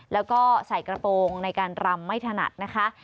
แล้วก็ใส่กระโปรงในการรำไม่ถนัดนะคะ